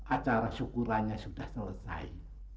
acara syukurannya sudah selesai